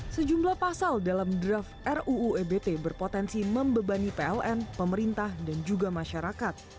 sejumlah pasal dalam draft ruu ebt berpotensi membebani pln pemerintah dan juga masyarakat